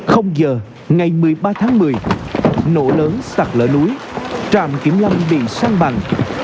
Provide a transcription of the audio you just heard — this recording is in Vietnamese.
h ngày một mươi ba tháng một mươi nổ lớn sạc lỡ núi trạm kiểm lâm bị xăng bằng